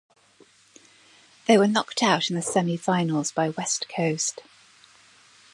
They were knocked out in the Semi Finals by West Coast.